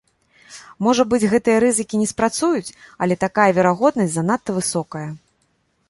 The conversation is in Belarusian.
Можа быць, гэтыя рызыкі не спрацуюць, але такая верагоднасць занадта высокая.